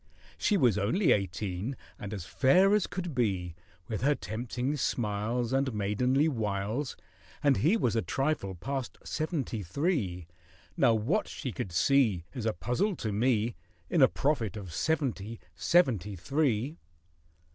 She was only eighteen, and as fair as could be, With her tempting smiles And maidenly wiles, And he was a trifle past seventy three: Now what she could see Is a puzzle to me, In a prophet of seventy—seventy three!